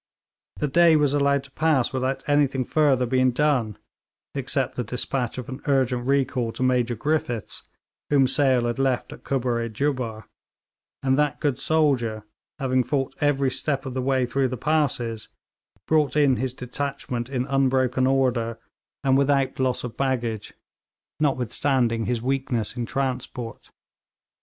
The day was allowed to pass without anything further being done, except the despatch of an urgent recall to Major Griffiths, whom Sale had left at Kubbar i Jubbar, and that good soldier, having fought every step of the way through the passes, brought in his detachment in unbroken order and without loss of baggage, notwithstanding his weakness in transport.